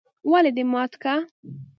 ولې دي مات که؟؟